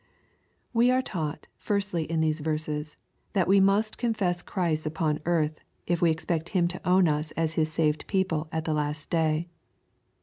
We are taught, firstly, in these verses, that we must confess Christ upon earthy if we expect Him to own us as His saved people at the last day.